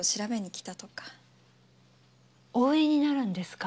お売りになるんですか？